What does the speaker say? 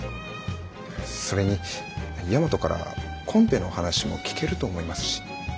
それに大和からコンペの話も聞けると思いますし。